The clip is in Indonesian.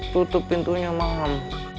tutup pintunya mam